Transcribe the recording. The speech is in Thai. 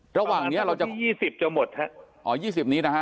ระหว่างนี้๒๐จะหมดฮะ